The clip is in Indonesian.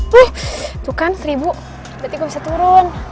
tuh tuh kan seribu berarti gua bisa turun